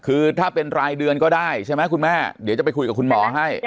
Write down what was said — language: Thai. คือถ้าเป็นรายเดือนก็ได้ใช่ไหมคุณแม่เดี๋ยวจะไปคุยกับคุณหมอให้